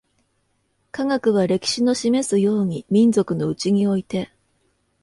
科学は、歴史の示すように、民族のうちにおいて